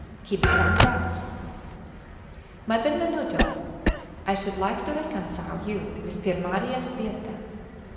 He began thus: "My Benvenuto, I should like to reconcile you with Piermaria Sbietta."